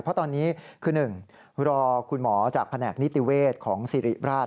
เพราะตอนนี้คือ๑รอคุณหมอจากแผนกนิติเวศของสิริราช